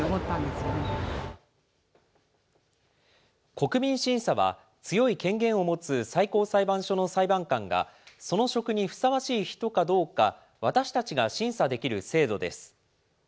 国民審査は、強い権限を持つ最高裁判所の裁判官が、その職にふさわしい人かどうか私たちが審査できる制度です。